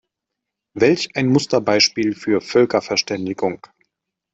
Welch ein Musterbeispiel für Völkerverständigung!